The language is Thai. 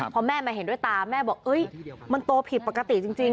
พอแม่มาเห็นด้วยตาแม่บอกมันโตผิดปกติจริง